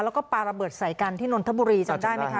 แล้วก็ปลาระเบิดใส่กันที่นนทบุรีจำได้ไหมคะ